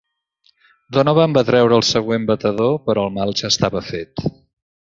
Donovan va treure el següent batedor, però el mal ja estava fet.